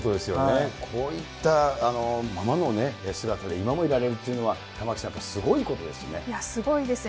こういったままの姿で、今までこられるというのは、玉城さん、やっぱりすごいことですごいですね。